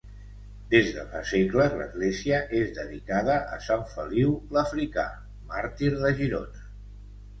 Des de fa segles l'església és dedicada a Sant Feliu l'Africà, màrtir de Girona.